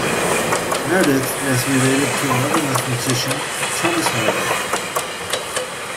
Meredith was related to another mathematician, Thomas Meredith.